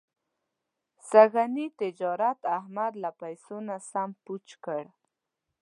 سږني تجارت احمد له پیسو نه سم پوچ کړ.